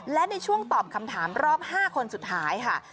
และในช่วงตอบคำถามรอบ๕คนสุดท้ายค่ะ